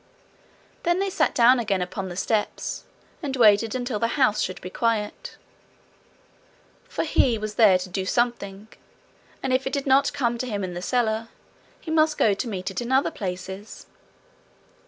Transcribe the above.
Then they sat down again upon the steps, and waited until the house should be quiet. For he was there to do something, and if it did not come to him in the cellar, he must go to meet it in other places.